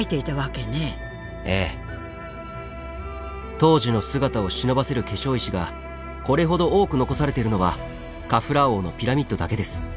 当時の姿をしのばせる化粧石がこれほど多く残されているのはカフラー王のピラミッドだけです。